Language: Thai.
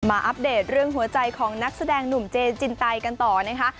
อัปเดตเรื่องหัวใจของนักแสดงหนุ่มเจนจินไตกันต่อนะคะ